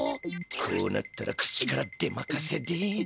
こうなったら口からでまかせで。